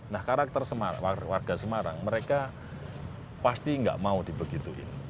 nah karakter warga semarang mereka pasti nggak mau dibegituin